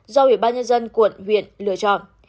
do ubnd quận huyện lựa chọn